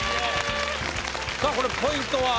さぁこれポイントは？